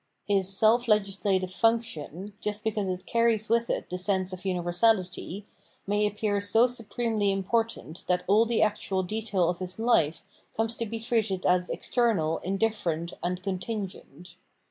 His self legislative function, just because it carries with it the sense of universality, may appear so supremely important that all the actual detail of his life comes to he treated as external, indifferent, and contingent.